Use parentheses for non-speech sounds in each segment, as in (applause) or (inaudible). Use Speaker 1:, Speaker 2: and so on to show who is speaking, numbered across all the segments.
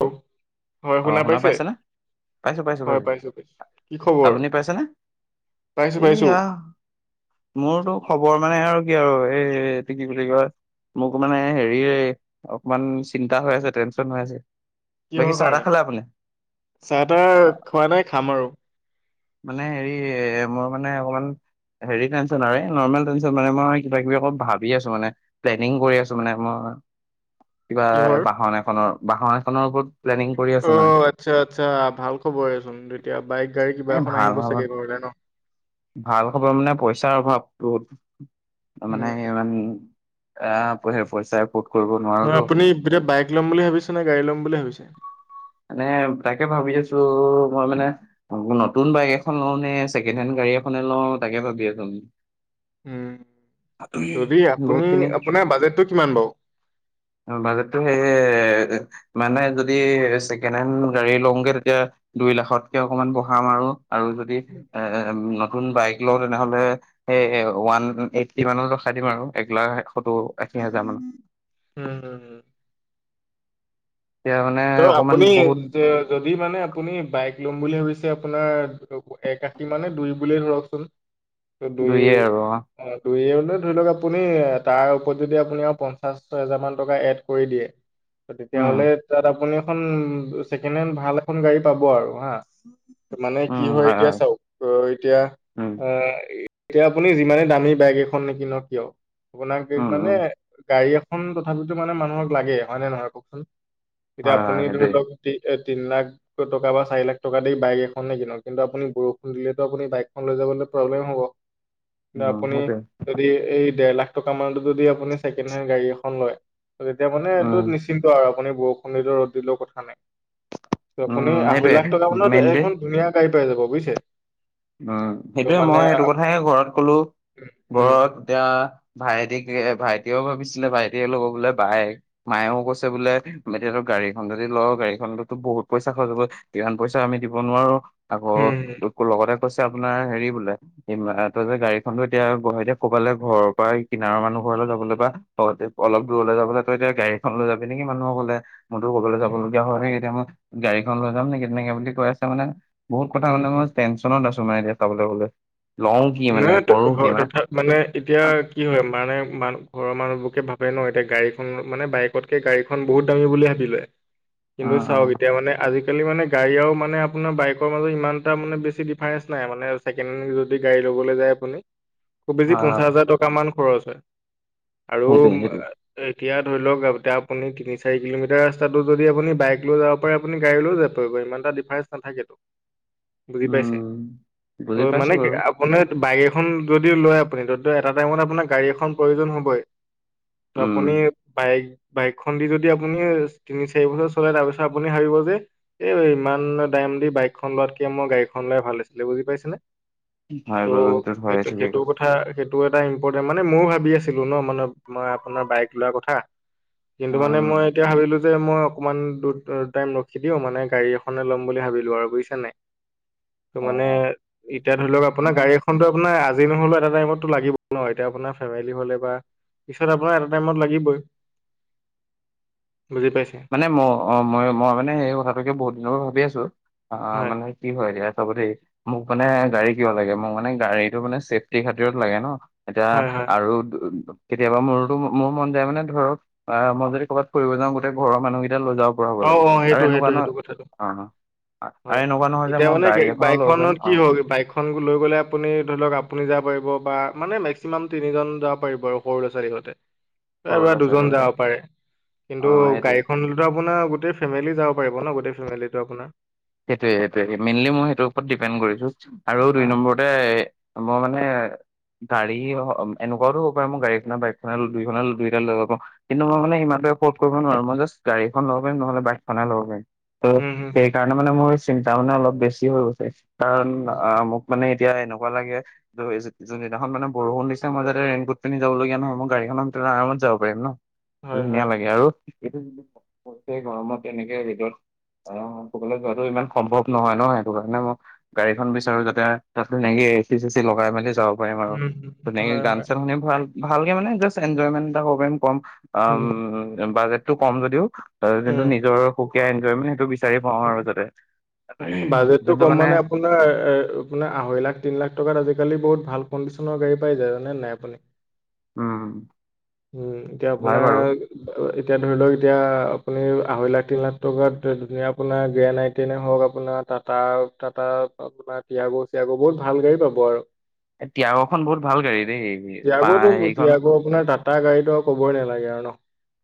Speaker 1: অ' হয় শুনা পাইছে?
Speaker 2: পাইছো পাইছো
Speaker 1: হয়
Speaker 2: পাইছো
Speaker 1: পাইছোঁ-পাইছোঁ, কি খবৰ?
Speaker 2: আপুনি পাইছেনে
Speaker 1: পাইছোঁ-পাইছোঁ।
Speaker 2: এইয়া মোৰতো খবৰ মানে আৰু কি আৰু এইটো কি বুলি কয় মোক মানে হেৰি অকমান চিন্তা হৈ আছে টেনচন হৈ আছে। বাকী
Speaker 1: কিহৰ
Speaker 2: চাহ তাহ
Speaker 1: কাৰণে,
Speaker 2: খালে আপুনি
Speaker 1: চাহ
Speaker 2: অ
Speaker 1: তাহ খোৱা নাই খাম আৰু
Speaker 2: মানে হেৰি এ মই মানে অকমান হেৰি টেনচন আৰে নৰ্মেল টেনচন মানে মই কিব কিবি অকৌ ভাবি আছোঁ মানে। প্লেনিং কৰি আছোঁ মানে মই। কিবা
Speaker 1: কিহৰ
Speaker 2: বাহন এখনৰ বাহন এখনৰ ওপৰত প্লেনিং কৰি আছো মানে
Speaker 1: অ'আচ্ছা-আচ্ছা ভাল খবৰেই চোন তেতিয়া বাইক গাড়ী
Speaker 2: এ
Speaker 1: কিবা এখন
Speaker 2: ভাল
Speaker 1: আহিব
Speaker 2: ভাল
Speaker 1: চাগে ঘৰলে ন।
Speaker 2: ভাল খবৰ মানে পইচাৰ অভাৱ তোৰ। তাৰ মানে
Speaker 1: উম
Speaker 2: ইমান (unintelligible) পইচা (unintelligible) কৰিব নোৱা
Speaker 1: নহয় আপুনি এতিয়া বাইক ল'ম বুলি ভাবিছে নে গাড়ী ল'ম বুলি ভাবিছে।
Speaker 2: মানে তাকে ভাবি আছোঁ, মই মানে আকৌ নতুন বাইক এখন লওঁ নে ছেকেণ্ড হেণ্ড গাড়ী এখনে লওঁ তাকে ভাবি আছোঁ।
Speaker 1: উম, যদি
Speaker 2: বহুত
Speaker 1: আপুনি
Speaker 2: খিনি
Speaker 1: আপোনাৰ বাজেটটো কিমান বাৰু?
Speaker 2: অ' বাজেটটো সেয়ে মানে যদি ছেকেণ্ড হেড গাড়ী লওঁগে তেতিয়া দুই লাখতকে অকমান বঢ়াম আৰু-আৰু যদি
Speaker 1: উম
Speaker 2: এ নতুন বাইক লওঁ তেনেহলে সেই ওৱান এইত্তি মানত ৰখাই দিম আৰু এক লাখ এসত্তৰ। আশী হাজাৰ মানত।
Speaker 1: উম হুম।
Speaker 2: এতিয়া মানে
Speaker 1: ত'
Speaker 2: অকমান
Speaker 1: আপুনি
Speaker 2: বহুত
Speaker 1: যে যদি মানে আপুনি বাইক ল'ম বুলি ভাবিছে আপোনাৰ এক আশী মানে দুই বুলি ধৰকচোন। ত দুই
Speaker 2: দুয়ে আৰু
Speaker 1: অ' দুই হ'লে ধৰি লওক আপুনি তাৰ ওপৰত যদি আপুনি আৰু পঞ্চাছ হেজাৰমানা টকা এড কৰি দিয়ে (unintelligible) ত'
Speaker 2: উম।
Speaker 1: তেতিয়াহ'লে তাত আপুনি এখন ছেকেণ্ড হেণ্ড ভাল এখন গাড়ী পাব আৰু হা। মানে কি হয় এতিয়া চাওক ত' এতিয়া
Speaker 2: উম,
Speaker 1: অ'। এতিয়া আপুনি যিমানে দামী বাইক এখন নিকিনক কিয় (unintelligible)
Speaker 2: উম,
Speaker 1: মানে
Speaker 2: উম,
Speaker 1: গাড়ী এখন তথাপিতো মানে মানুহক লাগে হয়নে নহয় কওকচোন। এতিয়া
Speaker 2: হয়, হয়,
Speaker 1: আপুনি ধৰি
Speaker 2: সেইটোৱে।
Speaker 1: লওক তি তিনি লাখ। টকা বা চাৰি লাখ টকা দি বাইক এখনে কিনক কিন্তু আপুনি বৰষুণ দিলেতো আপুনি বাইকখন লৈ যাবলৈ প্ৰব্লেম হ'ব। কি
Speaker 2: উম,
Speaker 1: আপুনি
Speaker 2: সেইটোৱে।
Speaker 1: যদি এই ডেৰ লাখ টকা মানত যদি আপুনি ছেকেণ্ড হেণ্ড গাড়ী এখন লয় তেতিয়া মানে এইটো
Speaker 2: উম,
Speaker 1: নিশ্চিন্ত আৰু আপুনি বৰষুণ বৰষুণ দিলেও ৰ'দ দিলেও কথা নাই আপুনি
Speaker 2: উম,
Speaker 1: আঢ়ৈ
Speaker 2: সেইটোৱে
Speaker 1: লাখ টকা মানত
Speaker 2: মেইনলি।
Speaker 1: এখন ধুনীয়া ধুনীয়াকে পাই যাব বুজিছে।
Speaker 2: উম
Speaker 1: ত'
Speaker 2: সেইটোৱে
Speaker 1: মানে
Speaker 2: মই এইটো
Speaker 1: আপ-
Speaker 2: কথাই ঘৰত কলোঁ
Speaker 1: উম,
Speaker 2: ঘৰত। এতিয়া ভাইটিক ভাইটিয়েও ভাবিছিলে ভাইটিয়ে ল'ব বোলে বাইক। মায়েও কৈছে বোলে এতিয়াতো গাড়ী এখন যদি লওঁ গাড়ীখনতো বহুত পইচা খৰচ হ'ব। ইমান পইচা আমি দিব নোৱাৰো। আকৌ
Speaker 1: সেয়ে।
Speaker 2: মোৰ লগৰ এটাই কৈছে আপোনাৰ হেৰি বোলে ই তই যে গাড়ীখন লৈ এতিয়া-এতিয়া ক'বালে ঘৰৰ পৰা কিনাৰৰ মানুহ ঘৰলৈ যাবলৈ বা অ' অলপ দূৰলৈ যাবলৈ তই এতিয়া গাড়ীখন লৈ যাবি নেকি মানুহৰ ঘৰলে। মোৰতো ক'বালৈ
Speaker 1: উম,
Speaker 2: যাবলগীয়া হয় এতিয়া মই গাড়ীখন লৈ যাম নেকি তেনেকে বুলি কৈ আছে মানে। বহুত কথা
Speaker 1: উম,
Speaker 2: শুনিলে
Speaker 1: উম।
Speaker 2: মই টেনত আছো মানে এতিয়া চাবলে গ'লে। লওঁ কি মানে
Speaker 1: নাই
Speaker 2: কৰো কি
Speaker 1: তথা মানে এতিয়া।
Speaker 2: অ',
Speaker 1: কি হয় মানে মান ঘৰৰ মানুহবোৰকে ভাবে ন এতিয়া গাড়ীখন মানে বাইকতকে গাড়ী খন বহুত দামী বুলি ভাবি লয় কিন্তু চাওক
Speaker 2: অ',
Speaker 1: এতিয়া মানে আজি। আজিকালি মানে গাড়ী আৰু মানে আপোনাৰ বাইকৰ মাজত ইমান এটা মানে বেছি ডিফাৰেঞ্চ নাই মানে ছেকেণ্ড হেণ্ড যদি। গাড়ী লবলৈ যায় আপুনি খুব বেছি পঞ্চাশ হাজাৰ টকা মান খৰচ হয়। আৰু
Speaker 2: হয়, সেইটোৱে সেইটোৱে।
Speaker 1: এতিয়া ধৰি লওক এতিয়া আপুনি তিনি চাৰি কিলোমিটাৰ ৰাস্তাটো যদি আপুনি বাইক লৈ যাব পাৰে আপুনি গাড়ীও যাব পাৰিব ইমানটা ডিফাৰেঞ্চ নাথাকেতো। বুজি পাইছে
Speaker 2: উম,
Speaker 1: ত
Speaker 2: বুজি
Speaker 1: মানে
Speaker 2: পাইছো
Speaker 1: কি
Speaker 2: বাৰু।
Speaker 1: আও আপুনি বাইক এখন যদি লয় আপুনি যদি টো এটা টাইমত আপোনাৰ গাড়ী এখন প্ৰয়োজন হ'বই। ত
Speaker 2: উম,
Speaker 1: আপুনি বাইক বাইকখন দি যদি আপুনি তিনি চাৰি বছৰ চললে তাৰপিছত আপুনি ভাবিব যে। এ ইমান দাম দি বাইকখন লোৱাতকে মই গাড়ীখন লোৱাই ভাল আছিলে বুজি পাইছেনে।
Speaker 2: হয় বাৰু সেটো হয়ে ঠিকেই কৈছা
Speaker 1: হা সেইটো এটা ইম্পৰ্টেণ্ট মানে ময়ো ভাবি আছিলো ন মানে মই আপোনাৰ বাইক লোৱা কথা। কিন্তু মানে মই
Speaker 2: উম,
Speaker 1: এতিয়া ভাবিলো যে মই অকনমান দূ টাইম ৰখি দিও মানে গাড়ী এখনে ল'ম বুলি ভাবিলো আৰু বুজিছা নাই। ত
Speaker 2: হয়
Speaker 1: মানে
Speaker 2: হয়।
Speaker 1: এতিয়া
Speaker 2: উম,
Speaker 1: ধৰি লওঁক আপোনাৰ
Speaker 2: মানে
Speaker 1: গাড়ী এখনটো আপোন আজি নহলেও এটা টাইমতটো লাগিব ন এতিয়া আপোনাৰ ফেমিলি হ'লে বা পিছত আপোনাৰ এটা টাইমত লাগিবই বুজি পাইছে
Speaker 2: মানে মই অঁ মই মই মানে সেই কথাটোকে বহুত দিনৰ পৰা ভাবি আছোঁ
Speaker 1: হয়
Speaker 2: মানে কি হয় দিয়া চাব দেই মোক মানে গাড়ী কিয় লাগে মোক মানে গাড়ীটো মানে চেফটিৰ খাতিৰত লাগে ন। এতিয়া
Speaker 1: হয় হয়
Speaker 2: আৰু উ কেতিয়াবা মোৰোতো মোৰ মন যায় মানে ধৰক আহ মই যদি ক'বাত ফৰিব যাওঁ গোতেই ঘৰৰ মানুকেইটা লৈ যাওঁ।
Speaker 1: অ অ সেইটো সেইটো সেইটো কথাটো।
Speaker 2: আৰু
Speaker 1: হয়
Speaker 2: এনেকুৱা নহয় যে
Speaker 1: এতিয়া
Speaker 2: মই
Speaker 1: মানে
Speaker 2: গাড়ী এখনো ল'ব পাৰিম
Speaker 1: বাইকখনত
Speaker 2: অ
Speaker 1: কিহয় বাইক খন লৈ গ'লে আপুনি ধৰি লওক আপুনি যাব পাৰিব বা মানে মেক্সিমাম তিনিজন যাব পাৰিব আৰু সৰু ল'ৰা ছোৱালী সৈতে। আৰু
Speaker 2: সৰু
Speaker 1: বা
Speaker 2: ল'ৰা
Speaker 1: দুজন
Speaker 2: ছোৱালীহঁতে
Speaker 1: যাব পাৰে
Speaker 2: অ
Speaker 1: কিন্তু
Speaker 2: সেইটোৱে
Speaker 1: গাড়ীখন। আপোনাৰ গোটেই ফেমিলি যাব পাৰিব ন গোটেই ফেমিলিটো আপোনাৰ
Speaker 2: সেইটোয়ে সেইটোৱে মেইনলি মই সেইটো ওপৰত ডিপেণ্ড কৰিছো আৰু
Speaker 1: হা
Speaker 2: দু নম্বৰ তে মই মানে গাড়ী অ এনেকুৱাও ত হব পাৰে মই গাড়ীখনে বাইকখনে দুই খনে দুই এটা লৈ ল'ব পাৰো কিন্তু মই মানে ইমানো এফৰ্ড কৰিব নোৱাৰো মই জাষ্ট গাডীখন লব পাৰিম নহ'লে বাইকখনহে ল'ব পাৰিম ত
Speaker 1: উম হম
Speaker 2: কাৰণে মানে মোৰ চিন্তা মানে অলপ বেছি হৈ গৈছে কাৰণ অ মোক মানে এতিয়া এনেকুৱা লাগে যোনদিনাখন মানে বৰষুণ দিছে মই যাতে ৰেইনকোট পিন্ধি যাবলগীয়া নহয় মই গাড়ীখনতে আৰামত যাব পাৰি ন
Speaker 1: হয়
Speaker 2: ধুনীয়া
Speaker 1: হয়
Speaker 2: লাগে আৰু এইটো যি টো গৰম পৰিছে গৰমত তেনেকে ভিতৰত আহ সকলোৱে যোৱাটো ইমান সম্ভৱ নহয় ন সেইটো কাৰণে মই গাড়ীখন বিচাৰো যাতে তাত ধুনীয়াকে এ চি চে চি লগাই মেলি যাওঁ পাৰিম আৰু
Speaker 1: উম হুম,
Speaker 2: ধুনীয়াকে
Speaker 1: হয়
Speaker 2: গান
Speaker 1: হয়
Speaker 2: চান শুনি ভাল ভালকে মানে জাষ্ট এঞ্জয়মেন্ট এটা কব পাৰিম কম
Speaker 1: উম
Speaker 2: উ বাজেটো কম যদিও যোনটো
Speaker 1: উম।
Speaker 2: নিজৰ সুকীয়া এঞ্জয়মেন্ট সেইটো বিচাৰি পাওঁ আৰু যাতে
Speaker 1: বাজেটটো
Speaker 2: যোনটো
Speaker 1: কম
Speaker 2: মানে
Speaker 1: আপোনাৰ, আপোনাৰ আঢ়ৈ লাখ তিনি লাখ টকাত আজিকালি বহুত ভাল কণ্ডিচনৰ গাড়ী পাই যায় জানে নাই আপুনি
Speaker 2: উম
Speaker 1: উম এতিয়া
Speaker 2: হয়
Speaker 1: আপোনাৰ
Speaker 2: বাৰু
Speaker 1: এতিয়া ধৰি লওক এতিয়া আপুনি আহঢ়ৈ লাখ তিনি লাখ টকাত ধুনীয়া আপোনাৰ গেৰেন আইটেনে হওক আপোনাৰ টাটা টাটা আপোনাৰ তিয়াগো চিয়াগো বহুত ভাল গাড়ী পাব (unintelligible)
Speaker 2: এ তিযাগোখন বহুত ভাল গাড়ী দেই পা
Speaker 1: টিয়াগোতো
Speaker 2: হেৰিখন
Speaker 1: টিয়াগো আপোনাৰ টাটা গাড়ী ত কবই নালাগে আৰু ন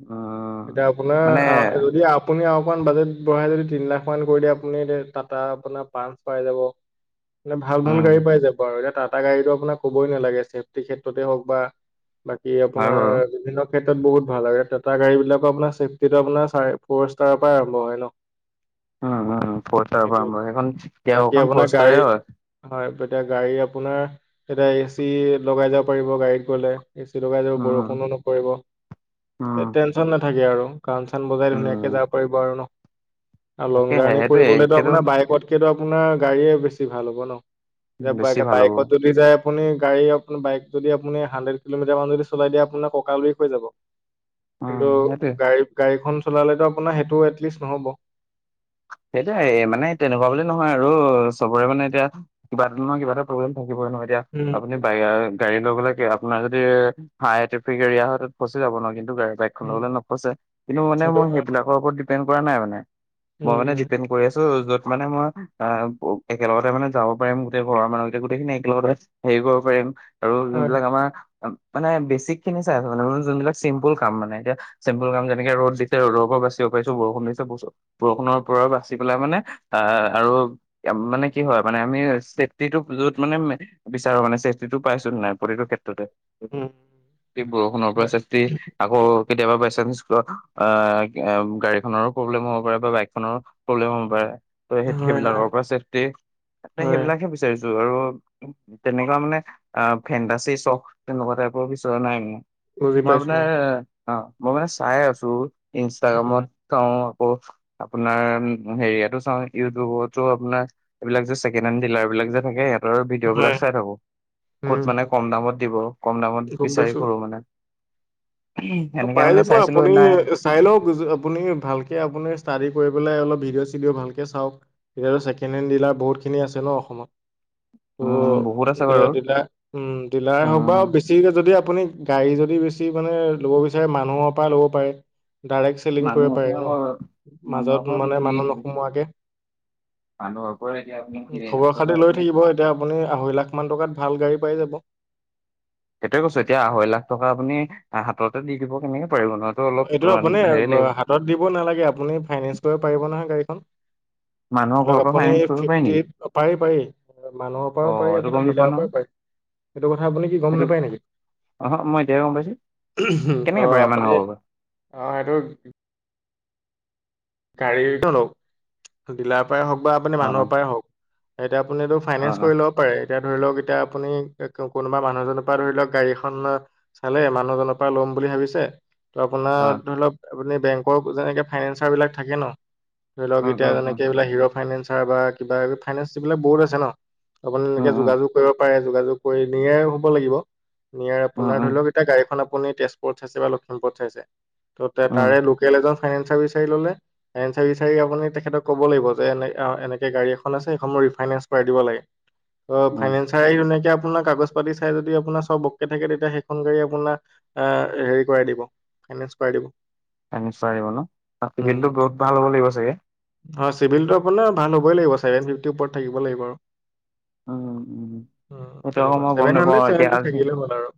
Speaker 2: উম
Speaker 1: এতিয়া আপোনাৰ
Speaker 2: মানে
Speaker 1: আ যদি আপ আপুনিয়ে অকণ বাজেট বঢ়াই যদি তিনি লাখ মান কৰি দিয়ে আপুনি এতিয়া টাটা আপোনাৰ পাচ পাই যাব মানে ভাল- ভাল
Speaker 2: উম
Speaker 1: গাড়ী পাই যাব। বাৰু এতিয়া টাটা গাড়ীটো আপোনাক ক'বই নালাগে ছেফটি ক্ষেত্ৰতে হওক বা বাকী
Speaker 2: হয়
Speaker 1: আপোনাৰ
Speaker 2: বাৰু
Speaker 1: বিভিন্ন ক্ষেত্ৰত বহুত ভাল আৰু এ টাটা গাড়ীবিলাকতো আপোনাৰ ছেফটিটো আপোনাৰ চাৰে ফৰ ষ্টাৰ পাই আৰম্ভ হয় ন?
Speaker 2: উম- উম ফ'ৰ ষ্টাৰৰ পৰা
Speaker 1: এইটোৱে
Speaker 2: আৰম্ভ হয়
Speaker 1: ন।
Speaker 2: সেইখন
Speaker 1: বাকী
Speaker 2: তেৰখন ফ'ৰ
Speaker 1: আপোনাৰ
Speaker 2: ষ্টাৰে
Speaker 1: গাড়ীত
Speaker 2: হয়।
Speaker 1: হয় তেতিয়া গাড়ী আপোনাৰ তেতিয়া এ চি লগাই যাব পাৰিব গাড়ীত গ'লে। এ চি লগাই যাব
Speaker 2: উম
Speaker 1: বৰষুণো নপৰিব সে
Speaker 2: উম
Speaker 1: টেনচন নাথাকে আৰু। গান চান বজাই ধুনীয়াকে
Speaker 2: উম
Speaker 1: যাব পাৰিব আৰু ন' আৰু লং
Speaker 2: তাকেহে
Speaker 1: জাৰ্ণি
Speaker 2: সেইটোৱে
Speaker 1: কৰিবলৈতো
Speaker 2: সেইটো
Speaker 1: আপোনাৰ বাইকত কিন্তু আপোনাৰ গাড়ীয়ে বেছি ভাল হ'ব ন'
Speaker 2: বেছি
Speaker 1: এতিয়া
Speaker 2: ভাল হ'ব
Speaker 1: বাইকত যদি যায় আপুনি গাড়ী আপ বাইক যদি আপুনি হাণ্ড্ৰেড কিলোমিটাৰ মান যদি চলাই দিয়ে আপোনাৰ ককাল হৈ যাব।
Speaker 2: উম
Speaker 1: কিন্তু
Speaker 2: সেইটোৱে
Speaker 1: গাড়ী- গাড়ীখন চলালেতো আপোনাৰ সেইটো এটলিষ্ট নহ'ব।
Speaker 2: সেইটাই মানে তেনেকুৱা বুলি নহয় আৰু চবৰে মানে এতিয়া কিবা এটা নহয় কিবা এটা প্ৰব্লেম থাকিব ন' এতিয়া
Speaker 1: উম,
Speaker 2: আপুনি (unintelligible) গাড়ী লৈ গলে কি আপোনাৰ যদি হাই ট্ৰেফিক এৰিয়া হয় তাত ফচি যাব ন' কিন্তু গাই বাইক
Speaker 1: উম,
Speaker 2: (unintelligible) নপছে কিন্তু মানে
Speaker 1: সেইটো
Speaker 2: মই
Speaker 1: হয়।
Speaker 2: সেইবিলাকৰ ওপৰত ডিপেণ্ড কৰা নাই মানে। মই মানে
Speaker 1: উম,
Speaker 2: ডিপেণ্ড কৰি আছোঁ য'ত মানে মই অ, একেলগতে মানে যাব পাৰিম গোটেই ঘৰৰ মানুহ এতিয়া গোটেই খিনি একেলগতে সেইবোৰ কৰিম আৰু
Speaker 1: হয়।
Speaker 2: যোনবিলাক আমাৰ মানে বেচিক খিনি চাই আছো মানে যোনবিলাক চিম্পুল কাম মানে এতিয়া। চেম্পুল কাম যেনেকে ৰ'দ দিছে ৰ'দৰ পৰা বাচিব পাৰিছোঁ, বৰষুণ দিছে বছো বৰষুণৰ ওপৰত বাচি পেলাই মানে আহ আৰু মানে কি হয় মানে আমি চেফটিটো য'ত মানে বিচাৰো মানে চেফটিটো পাইছোঁ নাই প্ৰতিটো ক্ষেত্ৰতে
Speaker 1: উম,
Speaker 2: বৰষুণৰ পৰা
Speaker 1: হয়।
Speaker 2: চেফ তে আকৌ কেতিয়াবা বাইচেঞ্চ (unintelligible) গাড়ীখনৰো প্ৰব্লেম হ'ব পাৰে বা বাইক খনৰ প্ৰব্লেম হ'ব পাৰে ত' সেই-
Speaker 1: হয়, হয়,
Speaker 2: সেইবিলাকৰ পৰা চেফটি এ
Speaker 1: হয়।
Speaker 2: সেইবিলাকহে বিচাৰিছোঁ আৰু তেনেকুৱা মানে অ, ফেণ্টাচি চখ তেনেকুৱা টাইপৰ বিচৰা নাই
Speaker 1: বুজি
Speaker 2: মই
Speaker 1: পাইছো।
Speaker 2: আপোনাৰ অ, মই মানে চাই আছোঁ ইনষ্টাগ্ৰামত
Speaker 1: উম,
Speaker 2: চাওঁ আকৌ আপোনাৰ হেৰিয়াতো চাওঁ ইউটিউবতো আপোনাক এইবিলাক যে ছেকেণ্ডহেণ্ড ডিলাৰ বিলাক যে থাকে (unintelligible) ভিডিঅ' বিলাক
Speaker 1: হয়।
Speaker 2: চাই থাকো ক'ত মানে
Speaker 1: উম,
Speaker 2: কম দামত দিব কম দামত
Speaker 1: গম
Speaker 2: বিচাৰি
Speaker 1: পাইছো।
Speaker 2: ফুৰোঁ মানে।
Speaker 1: অ,
Speaker 2: সেনেকে
Speaker 1: পাই
Speaker 2: মানে
Speaker 1: যাব
Speaker 2: চাইছিলো
Speaker 1: আপুনি
Speaker 2: সেইদিনা
Speaker 1: ইচ চাই লওঁক (unintelligible) আপুনি ভালকে আপুনি ষ্টাডি কৰি পেলাই অলপ ভিডিঅ' চিডিঅ' ভালকে চাওঁক। এতিয়াটো ছেকেণ্ড হেণ্ড ডিলাৰ বহুতখিনি আছে ন' অসমত।
Speaker 2: উম বহুত আছে
Speaker 1: ত' দে
Speaker 2: বাৰু
Speaker 1: ডিলাৰ উম, ডিলাৰ হওক বা
Speaker 2: উম
Speaker 1: বেছ ছিকে যদি আপুনি গাড়ী যদি বেছি মানে ল'ব বিচাৰে মানুহৰ পা ল'ব পাৰে। ডাইৰেক্ট চেলিং
Speaker 2: মানুহ
Speaker 1: কৰিব পাৰি
Speaker 2: আপোনাৰ মানুহৰ
Speaker 1: ন'মাজত
Speaker 2: পৰা
Speaker 1: মানে
Speaker 2: বেছি
Speaker 1: মানুহ নোসোমোৱাকে।
Speaker 2: মানুহৰ পৰা এতিয়া আমি
Speaker 1: উম, খবৰ
Speaker 2: তিনিলাখ
Speaker 1: খাতি
Speaker 2: টকা
Speaker 1: লৈ
Speaker 2: (unintelligible)
Speaker 1: থাকিব এতিয়া আপুনি আঢ়ৈলাখ মান টকাত ভাল গাড়ী পাই যাব।
Speaker 2: সেইটোয়ে কৈছো এতিয়া আঢ়ৈ লাখ টকা আপুনি হাততে দি দিব কেনেকে পাৰিব ত' অলপ অ, হেৰি লাগিব
Speaker 1: তত দিব নালাগে আপুনি ফাইনেন্স কৰিব পাৰিব নহয় গাড়ীখন।
Speaker 2: মানুহৰ
Speaker 1: ধৰি
Speaker 2: ঘৰৰ
Speaker 1: লওক
Speaker 2: পৰা
Speaker 1: আপুনি
Speaker 2: ফাইনেন্স কৰিব পাৰি নেকি
Speaker 1: ফিফটিত পাৰি -পাৰি মানুহৰ
Speaker 2: অ
Speaker 1: পৰাও পাৰি
Speaker 2: এইটো গম
Speaker 1: আপোনাৰ
Speaker 2: নোপোৱা
Speaker 1: ডিলাৰৰ
Speaker 2: নহয়
Speaker 1: পৰাও পাৰি। সেইটো কথা আপুনি কি গম
Speaker 2: সেইটো
Speaker 1: নাপায় নেকি?
Speaker 2: অ'হ, মই এতিয়াহে গম পাইছোঁ
Speaker 1: অ
Speaker 2: কেনেকে পাৰে
Speaker 1: আপুনি
Speaker 2: (unintelligible)
Speaker 1: অ, সেইটো গাড়ীৰটো লওঁক ডিলাৰ পৰাই হওক বা আপুনি
Speaker 2: অ
Speaker 1: মানুহৰ পৰাই হওঁক। এতিয়া আপুনি এইটো
Speaker 2: অ অ
Speaker 1: ফাইনেন্স কৰি লওঁক। হয় এতিয়া ধৰি লওঁক এতিয়া আপুনি কোনোবা মানুহ এজনৰ পৰা ধৰি লওঁক গাড়ীখন চালে মানুহজনৰ পৰা ল'ম বুলি ভাবিছে। ত'
Speaker 2: অ অ
Speaker 1: আপোনাৰ ধৰি লওক, আপুনি বেংকৰ যেনেকে ফাইনেন্সাৰ বিলাক থাকে ন, ধৰি লওক
Speaker 2: উম
Speaker 1: এতিয়া
Speaker 2: উম উম
Speaker 1: যেনেকে এইবিলাক হিৰ' ফাইনেন্সাৰ বা কিবা ফাইনেন্স বিলাক বহুত আছে ন, আপোনি
Speaker 2: উম
Speaker 1: এনেকে
Speaker 2: উম
Speaker 1: যোগাযোগ কৰিব পাৰে, যোগাযোগ কৰি নিয়াৰ হ'ব লাগিব, নিয়াৰ
Speaker 2: উম
Speaker 1: আপোনাৰ
Speaker 2: উম
Speaker 1: ধৰি লওক- এতিয়া গাড়ীখন আপুনি তেজপুৰত চাইছে বা লখিমপুৰত চাইছে, ত'
Speaker 2: উম
Speaker 1: তাৰে লোকেল এজন ফাইনেন্সাৰ বিচাৰি ল'লে ফাইনেঞ্চ বিচাৰি আপুনি তেখেতক ক'ব লাগিব, যে এনে এনেকে গাড়ী এখন আছে, সেইখন মোক ৰিফাইনেঞ্চ কৰাই দিব লাগে। অ
Speaker 2: উম
Speaker 1: ফাইনেঞ্চ চাই ধুনিয়াকে আপোনাৰ কাগজ পাতি চাই যদি আপোনাৰ চব অ'কে থাকে, তেতিয়া সেইখন গাড়ী আপোনাৰ আহ' হেৰি কৰাই দিব ফাইনেন্স কৰাই দিব।
Speaker 2: নিশ্চয় আহিব ন, চিভিলটো
Speaker 1: উম
Speaker 2: বহুত ভাল হ'ব লাগিব চাগে।
Speaker 1: হয় চিভিলটো আপোনাৰ ভাল হ'বই লাগিব, ছেভেন ফিফটিৰ ওপৰত থাকিব লাগিব আৰু।
Speaker 2: উম উম
Speaker 1: উম'
Speaker 2: সেইটো আকৌ
Speaker 1: তেনেকুৱা,
Speaker 2: মই গম
Speaker 1: চছেভেন
Speaker 2: নাপাওঁ
Speaker 1: হানড্ৰেড,
Speaker 2: এতিয়া
Speaker 1: চছেভেন ফিফটি
Speaker 2: আজি
Speaker 1: থাকিলে হ'ল আৰু।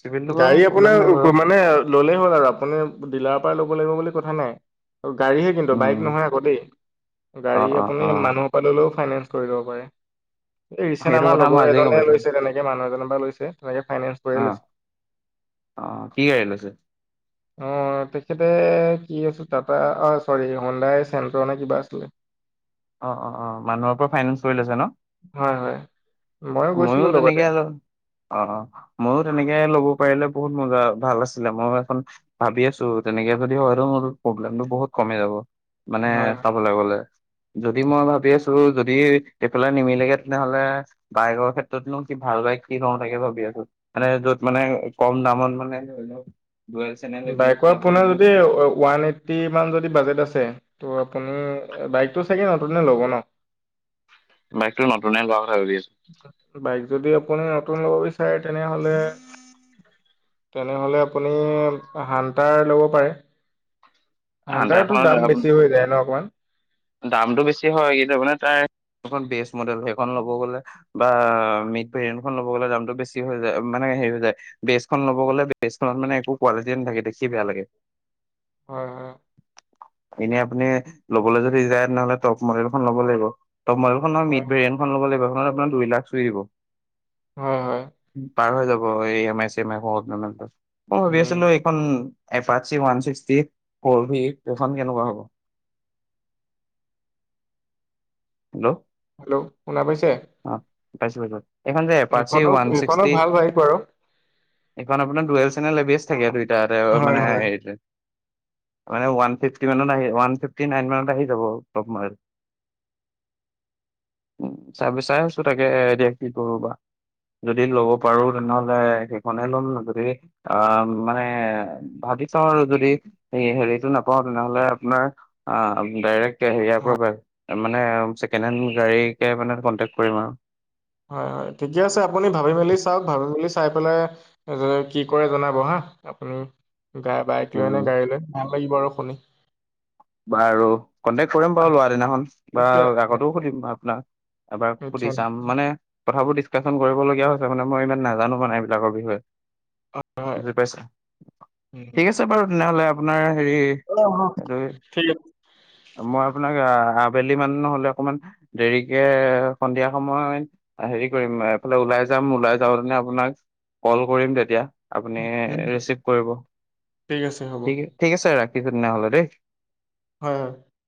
Speaker 2: চিভিলটো বাৰু
Speaker 1: গাড়ী
Speaker 2: প্ৰব্লেম নাই বাৰু।
Speaker 1: আপোনাৰ মানে ল'লেই হ'ল আৰু আপুনি, ডিলাৰৰ পৰাই ল'ব লাগিব বুলি কথা নাই। গাড়ীহে কিন্তু বাইক
Speaker 2: উম,
Speaker 1: নহয় আকৌ দেই, গাড়ী
Speaker 2: অ', অ',
Speaker 1: আপুনি
Speaker 2: অ',
Speaker 1: মানুহ পা ল'লেও ফাইনেন্স কৰি ল'ব পাৰে। এই ৰিচেণ্ট
Speaker 2: সেইটো
Speaker 1: আমাৰ
Speaker 2: কথা মই
Speaker 1: লগৰ
Speaker 2: আজিয়ে গম
Speaker 1: এনে
Speaker 2: পাইছো
Speaker 1: লৈছে তেনেকে, মানুহ এজনৰ পৰা লৈছে তেনেকে ফাইনেন্স কৰিয়ে
Speaker 2: অ',
Speaker 1: লৈছে।
Speaker 2: অ কি গাড়ী লৈছে?
Speaker 1: অঁ তেখেতে কি আছে টাটা অ চৰি হন্দাই চেণ্ট্ৰ নে কিবা আছিলে।
Speaker 2: অ অ অ মানুহৰ পৰা ফাইনেন্ঞ্চ কৰি লৈছে ন?
Speaker 1: হয় হয় মইও
Speaker 2: ময়ো
Speaker 1: গৈছিলোঁ
Speaker 2: তেনেকে
Speaker 1: লগতে।
Speaker 2: আৰু অ' মইও তেনেকে ল'ব পাৰিলে বহুত মজা ভাল আছিলে, ময়ো এখন ভাবি আছো তেনেকে যদি হয়টো মোৰ প্ৰব্লেমটো বহুত কমে যাব, মানে
Speaker 1: হয় হয়।
Speaker 2: চাবলৈ গ'লে। যদি মই ভাবি আছো যদি এইফালে নিমিলেগে তেনেহ'লে বাইকৰ ক্ষেত্ৰতনো কি ভাল বাইক কি লওঁ তাকে ভাবি আছো। মানে য'ত মানে কম দামত মানে, ধৰি লওক চেনেল এবিএছ
Speaker 1: বাইকৰ
Speaker 2: টাইপৰ
Speaker 1: আপোনাৰ
Speaker 2: মানে
Speaker 1: যদি ওৱান এইট্টি মান যদি বাজেট আছে, ত' আপুনি বাইকটো চাগে নতুন ল'ব ন?
Speaker 2: বাইকটো নতুনে লোৱাৰ কথা ভাবি আছো।
Speaker 1: বাইক যদি আপুনি নতুন লব বিচাৰে তেনেহলে তেনেহ'লে আপুনি হানটাৰ ল'ব পাৰে। সানটাৰটো
Speaker 2: হান্তাৰখনত
Speaker 1: দাম বেছি হৈ যায় ন অকমান।
Speaker 2: দামটো বেছি হয় কিন্ত মানে তাইখন বেষ্ট মডেল সেইখন ল'ব গ'লে বা মিড ভেৰিয়েন খন লব গলে দামটো বেছি হৈ যায় মানে হেৰি হৈ যায়। বেজখন লব গ'লে বেজখনত মানে একো কোৱালিটিয়ে নাথাকে দেখি বেয়া লাগে।
Speaker 1: হয় হয়।
Speaker 2: এনেই আপুনি ল'বলৈ যদি যায় তেনেহ'লে টপ মডেল খন ল'ব লাগিব টপ মডেল খন নহয়
Speaker 1: হয়,
Speaker 2: মিড ভেৰিয়েন খন লব লাগিব সেইখনত আপোন দুই লাখ চুই দিব।
Speaker 1: হয় হয়।
Speaker 2: পাৰ হৈ যাব ই এম আই চে মাই ভৰোতে। মই ভাবি
Speaker 1: উম,
Speaker 2: আছিলোঁ এখন এপাচি ৱানছিক্সটি ফৰ ভি সেখন কেনেকুৱা হ'ব। হেল্ল'!
Speaker 1: হেল্ল' শুনা পাইছে?
Speaker 2: অ পাইছো পাইছো এই খন যে এপাছি
Speaker 1: সেইখনো
Speaker 2: ওৱান
Speaker 1: সেইখনো
Speaker 2: ছিক্সটি
Speaker 1: ভাল বাইক বাৰু
Speaker 2: এইখন আপোনাৰ dual channel A B S থাকে দুইটাতে
Speaker 1: হয়, হয়,
Speaker 2: মানে
Speaker 1: হয়,
Speaker 2: মানে ওৱান ফিফটি মানত আহ ওৱান ফিফটি নাইন মানত আহি যাব টপ মডেল। উম চাই বিছাৰি আছো তাকে এতিয়া কি কৰো বা। যদি ল'ব পাৰো তেনেহ'লে সেইখনে ল'ম যদি অ মানে ভাবি চাও আৰু যদি এই হেৰিটো না পাওঁ তেনেহলে আপোনাৰ ডাইৰেক্ট হেৰিয়াৰ পৰাই মানে ছেকেণ্ড হেণ্ড গাড়ীকে মানে কণ্টেক্ট কৰিম আৰু।
Speaker 1: হয় হয় ঠিকে আছে আপুনি ভাবি মেলি চাওঁক ভাবি মেলি চাই পেলাই কি কৰে জনাব হা আপুনি। গাই বাইক লৈ নে
Speaker 2: উম
Speaker 1: গাড়ী লৈ ভাল লাগিব আৰু শুনি।
Speaker 2: বাৰু কন্টেক্ট কৰিম বাৰু লোৱা দিনাখন বা
Speaker 1: নিশ্চয়,
Speaker 2: আগতেও সুধিম বা আপোনাক। এবাৰ সুধি
Speaker 1: নিশ্চয়, নিশ্চয়,
Speaker 2: চাম মানে কথাবোৰ ডিচকাচন কৰিবলগীয়া হৈছে মানে মই ইমান নাজানো মানে এইবিলাকৰ বিষয়ে।
Speaker 1: হয়,
Speaker 2: বুজি পাইছা
Speaker 1: উম,
Speaker 2: ঠিক আছে বাৰু তেনেহলে আপোনাৰ হেৰি
Speaker 1: অ অ
Speaker 2: এইটো
Speaker 1: ঠিক আছে।
Speaker 2: মই আপোনাক আবেলি মান নহলে অকমান দেৰিকে সন্ধিয়া সময়ত হেৰি কৰিম এইফালে ওলাই যাম ওলাই যাও তেনে আপোনাক কল কৰিম তেতিয়া। আপুনি
Speaker 1: উম,
Speaker 2: ৰিচিভ কৰিব।
Speaker 1: ঠিক আছে হ'ব
Speaker 2: ঠিক ঠিক আছে ৰাখিছো তেনেহ'লে দেই।
Speaker 1: হয় হয়।